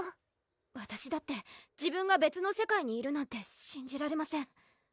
わたしだって自分が別の世界にいるなんてしんじられません